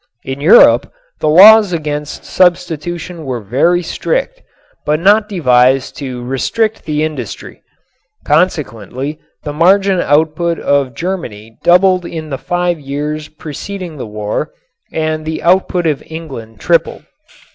In Europe the laws against substitution were very strict, but not devised to restrict the industry. Consequently the margarin output of Germany doubled in the five years preceding the war and the output of England tripled.